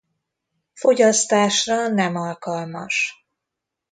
Fogyasztásra nem alkalmas.